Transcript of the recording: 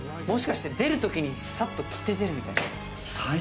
もしかして出るときにさっと来て出るとか。